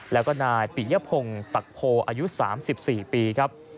แล้วก็นายปิยพงศ์ปักโพอายุ๓๔ปีครับ